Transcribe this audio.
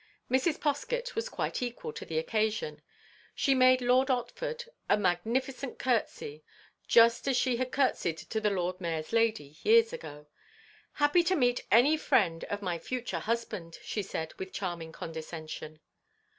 Mrs. Poskett was quite equal to the occasion. She made Lord Otford a magnificent curtsey, just as she had curtseyed to the Lord Mayor's Lady, years ago. "Happy to meet any friend of my future husband," she said, with charming condescension.